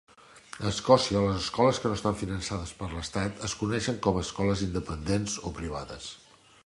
A Escòcia, les escoles que no estan finançades per l'Estat es coneixen com a escoles independents o privades.